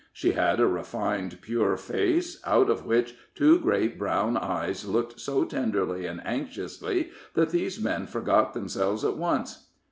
She had a refined, pure face, out of which two great brown eyes looked so tenderly and anxiously, that these men forgot themselves at once.